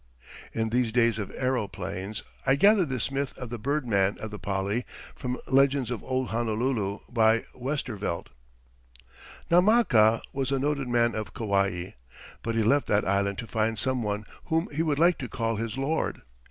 In these days of aeroplanes, I gather this myth of the Bird man of the Pali from "Legends of old Honolulu," by Westervelt: Namaka was a noted man of Kauai, but he left that island to find some one whom he would like to call his lord.